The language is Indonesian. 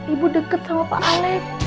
ibu deket sama pak alex